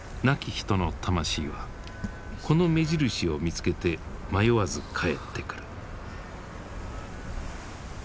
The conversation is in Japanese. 亡き人の魂はこの目印を見つけて迷わずかえってくる。